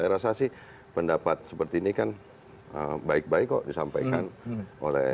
saya rasa sih pendapat seperti ini kan baik baik kok disampaikan oleh